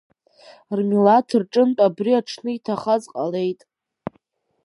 Рмилаҭ рҿынтә абри аҽны иҭахаз ҟалеит.